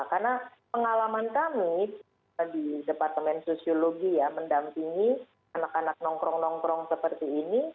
karena pengalaman kami di departemen sosiologi ya mendampingi anak anak nongkrong nongkrong seperti ini